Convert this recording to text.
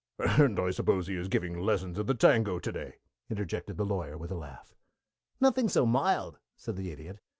"And I suppose he is giving lessons in the tango to day!" interjected the Lawyer, with a laugh. "Nothing so mild," said the Idiot.